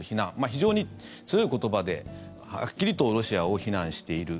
非常に強い言葉ではっきりとロシアを非難している。